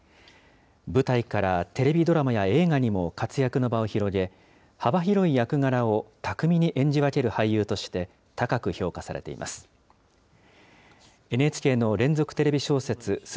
舞台からテレビドラマや映画にも活躍の場を広げ、幅広い役柄を巧みに演じ分ける俳優として、高く評価されています。